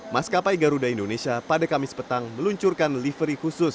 maskapai garuda indonesia pada kamis petang meluncurkan livery khusus